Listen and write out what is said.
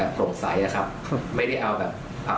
และยืนยันเหมือนกันว่าจะดำเนินคดีอย่างถึงที่สุดนะครับ